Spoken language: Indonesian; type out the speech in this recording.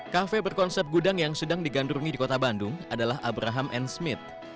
kafe berkonsep gudang yang sedang digandrungi di kota bandung adalah abraham n smith